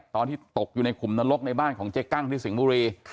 ตอนที่ตกอยู่ในขุมนรกในบ้านของเจ๊กั้งที่สิงห์บุรี